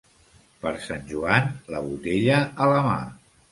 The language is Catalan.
Per Sant Joan, la botella a la mà.